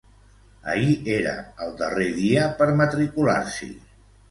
Ahir era el darrer dia per matricular-s'hi.